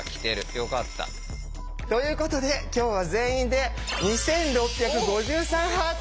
よかった。ということで今日は全員で２６５３ハート。